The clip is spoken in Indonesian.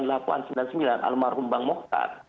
almarhum bang mokhtar